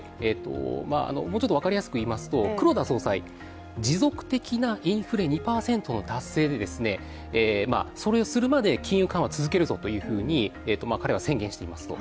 もうちょっと分かりやすく言いますと黒田総裁、持続的なインフレ２％の達成でそれをするまで、金融緩和を続けるぞというふうに彼は宣言しています。